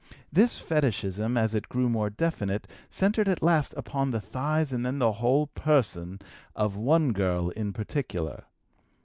This fetishism, as it grew more definite, centered at last upon the thighs and then the whole person of one girl in particular.